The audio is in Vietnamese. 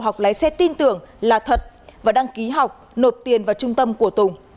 học lái xe tin tưởng là thật và đăng ký học nộp tiền vào trung tâm của tùng